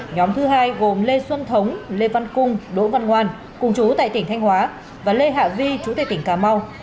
nhóm thứ hai gồm lê xuân thống lê văn cung đỗ văn ngoan cùng chú tại tỉnh thanh hóa và lê hạ vi chú tệ tỉnh cà mau